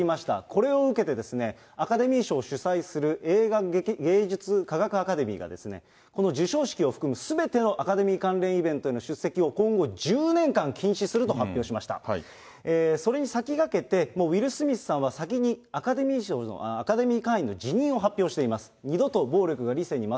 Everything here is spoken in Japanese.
これを受けて、アカデミー賞を主催する映画芸術科学アカデミーが、この授賞式を含む、すべてのアカデミー関連イベントの出席を今後１０年間禁止するとそれに先駆けて、ウィル・スミスさんは先にアカデミー会員の辞任を発表しています。